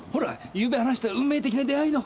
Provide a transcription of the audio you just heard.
ゆうべ話した運命的な出会いの。